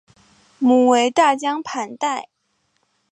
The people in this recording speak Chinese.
母为大江磐代。